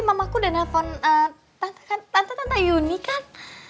mamaku dana von tante tante yuni kan